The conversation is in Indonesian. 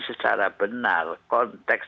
secara benar konteks